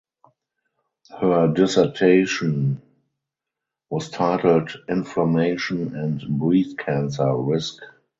Her dissertation was titled "Inflammation and Breast Cancer Risk".